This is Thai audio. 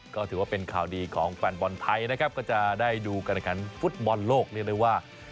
ก็ถือว่าเป็นข่าวดีของแฟนบอลไทยนะครับก็จะได้ดูการขันฟุตบอลโลกเรียกได้ว่า